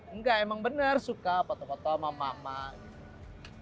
enggak emang bener suka foto foto sama mama gitu